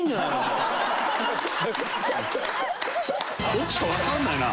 どっちかわかんないな。